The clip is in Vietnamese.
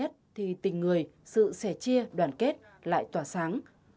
thì tình người sự sẻ chia đoàn kết lại tỏa sáng